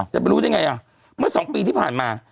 จะไปรู้ได้ไงอ่ะเมื่อ๒ปีที่ผ่านมา